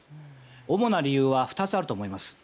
主な理由は２つあると思います。